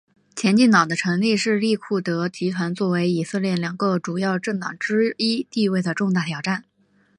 前进党的成立是利库德集团作为以色列两个主要政党之一地位的重大挑战。